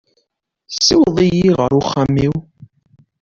Siweḍ-iyi ɣer uxxam-iw.